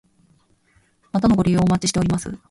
またのご利用お待ちしております。